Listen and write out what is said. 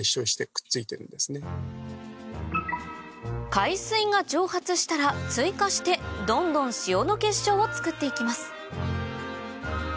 海水が蒸発したら追加してどんどん塩の結晶を作って行きます